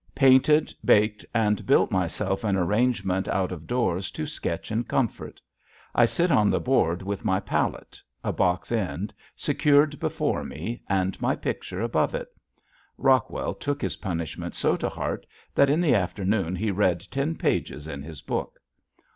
Painted, baked, and built myself an arrangement out of doors to sketch in comfort. I sit on the board with my palette a box end secured before me and my picture above it. Rockwell took his punishment so to heart that in the afternoon he read ten pages in his book.